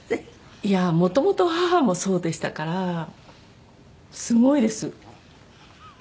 いやあもともと母もそうでしたからすごいです。